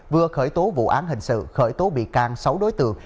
vừa khởi tố vụ án hình sự khởi tố bị can sáu đối tượng